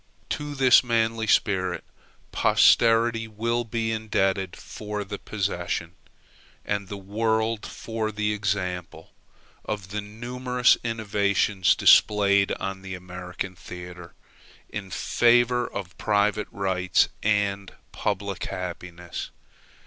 To this manly spirit, posterity will be indebted for the possession, and the world for the example, of the numerous innovations displayed on the American theatre, in favor of private rights and public happiness.